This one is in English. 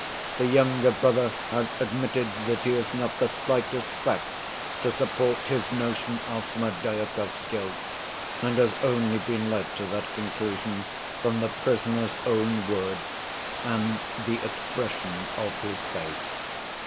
The younger brother has admitted that he has not the slightest fact to support his notion of Smerdyakov's guilt, and has only been led to that conclusion from the prisoner's own words and the expression of his face.